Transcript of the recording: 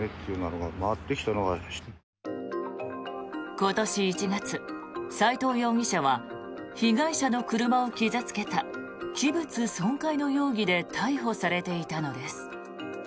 今年１月、斎藤容疑者は被害者の車を傷付けた器物損壊の容疑で逮捕されていたのです。